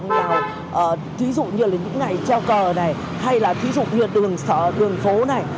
ví dụ như là những ngày treo cờ này hay là ví dụ như là đường sở đường phố này